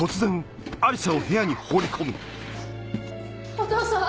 お父さん？